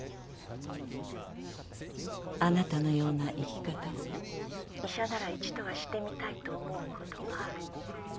あなたのような生き方を医者なら一度はしてみたいと思うことがある。